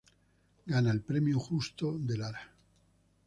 Gana el premio Justo de Lara.